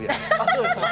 そうですね。